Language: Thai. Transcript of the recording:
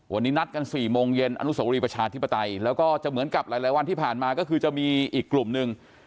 วันนี้นัดกัน๔โมงเย็นอนุโสรีประชาธิปไตยแล้วก็จะเหมือนกับหลายวันที่ผ่านมาก็คือจะมีอีกกลุ่มหนึ่ง